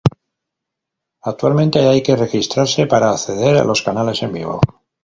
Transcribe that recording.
Actualmente, hay que registrarse para acceder a los canales en vivo.